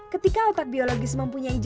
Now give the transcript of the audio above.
ketika otak biologis mempunyai jaringan